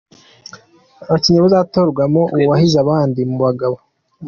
Abakinnyi bazatorwamo uwahize abandi mu Bagabo.